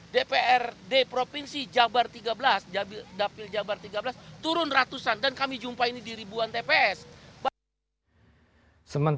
dpr di provinsi dapil jabar tiga belas turun ratusan dan kami jumpa ini di ribuan tps